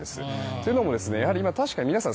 というのも確かに皆さん